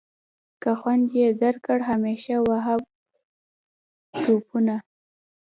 که خوند یې درکړ همیشه وهه ټوپونه.